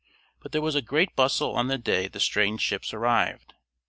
But there was a great bustle on the day the strange ships arrived.